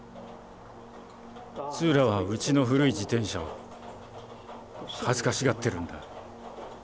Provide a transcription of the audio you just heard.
ツーラはうちの古い自てん車をはずかしがってるんだ。